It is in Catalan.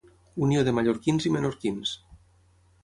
Unió de mallorquins i menorquins.